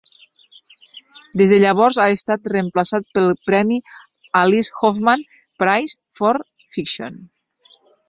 Des de llavors ha estat reemplaçat pel premi Alice Hoffman Prize for Fiction.